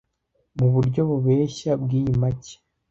muburyo bubeshya bwiyi make